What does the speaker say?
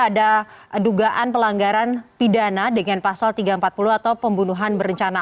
ada dugaan pelanggaran pidana dengan pasal tiga ratus empat puluh atau pembunuhan berencana